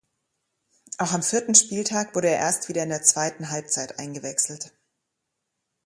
Auch am vierten Spieltag wurde er erst wieder in der zweiten Halbzeit eingewechselt.